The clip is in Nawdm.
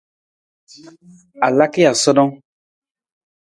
A laka ja sanang ?